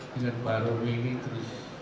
dengan pak romi ini terus